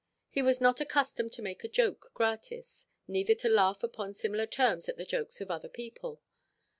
He was not accustomed to make a joke gratis, neither to laugh upon similar terms at the jokes of other people.